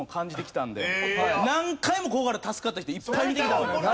何回もここから助かった人いっぱい見てきたんで。